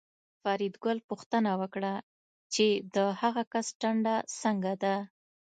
فریدګل پوښتنه وکړه چې د هغه کس ټنډه څنګه ده